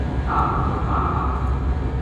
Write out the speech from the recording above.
ہم مسلمان ہاں